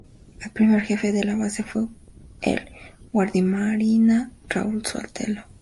El primer jefe de la base fue el guardiamarina Raúl Sotelo.